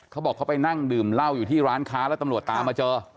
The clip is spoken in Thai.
เขาบอกเขาไปนั่งดื่มเหล้าอยู่ที่ร้านค้าแล้วตำรวจตามมาเจอ